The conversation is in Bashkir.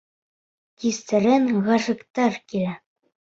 Кистәрен ғашиҡтәр килә.